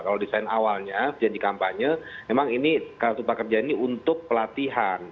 kalau desain awalnya janji kampanye memang ini kartu prakerja ini untuk pelatihan